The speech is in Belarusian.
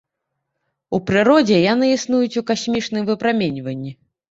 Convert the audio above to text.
У прыродзе яны існуюць у касмічным выпраменьванні.